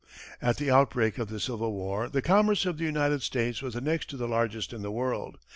At the outbreak of the Civil War, the commerce of the United States was the next to the largest in the world.